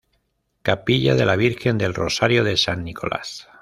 Capilla de la Virgen del Rosario de San Nicolás